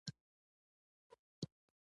بزګر د وچې خاورې نه زرغون چاپېریال جوړوي